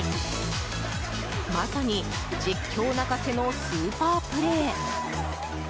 まさに実況泣かせのスーパープレー。